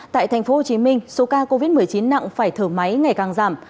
tại thành phố hồ chí minh số ca covid một mươi chín nặng phải thở máy ngày càng giảm